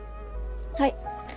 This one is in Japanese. はい。